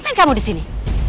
apa yang kamu disini